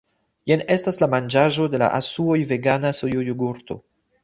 Jen estas la manĝaĵo de la asuoj vegana sojo-jogurto